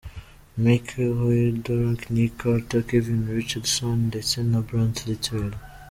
McLean, Howie Dorough, Nick Carter, Kevin Richardson ndetse na Brian Littrell.